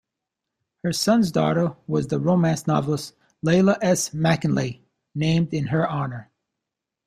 Her son's daughter was the romance novelist Leila S. Mackinlay, named in her honour.